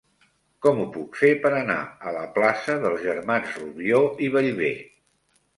Com ho puc fer per anar a la plaça dels Germans Rubió i Bellver?